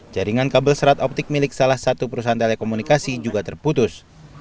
jaringan kabel serat optik milik salah satu perusahaan telekomunikasi juga terputus